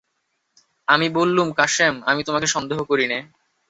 আমি বললুম, কাসেম, আমি তোমাকে সন্দেহ করি নে।